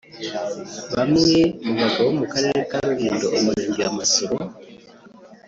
Bamwe mu bagabo bo mu Karere ka Rulindo Umurenge wa Masoro